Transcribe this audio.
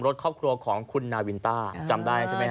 รถครอบครัวของคุณนาวินต้า